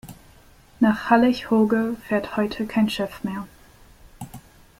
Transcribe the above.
Nach Hallig Hooge fährt heute kein Schiff mehr.